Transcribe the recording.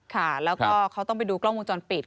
ค่ะแล้วก็เขาต้องไปดูกล้องวงจรปิด